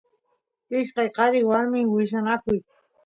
ishkay qaris warmis willanakuy